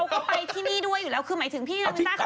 ก็ไปที่นี่ด้วยอยู่แล้วคือหมายถึงพี่นาวินต้าค่ะ